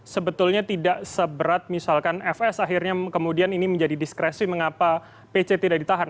sebetulnya tidak seberat misalkan fs akhirnya kemudian ini menjadi diskresi mengapa pc tidak ditahan